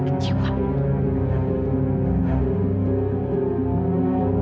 aku cuma bercanda